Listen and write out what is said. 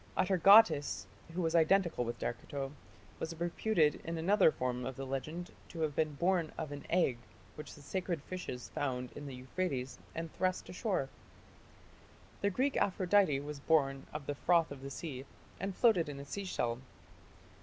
Atargatis, who was identical with Derceto, was reputed in another form of the legend to have been born of an egg which the sacred fishes found in the Euphrates and thrust ashore (p. 28). The Greek Aphrodite was born of the froth of the sea and floated in a sea shell.